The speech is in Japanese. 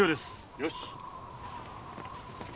よし。